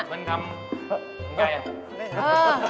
ครับมันทำ